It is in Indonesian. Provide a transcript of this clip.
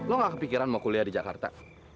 uwak kepikiran mau kuliah di jakarta